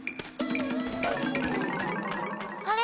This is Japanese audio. あれ？